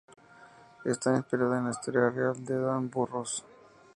Está inspirada en la historia real de Dan Burros.